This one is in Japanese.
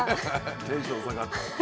テンション下がった。